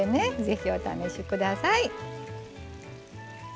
ぜひお試しください。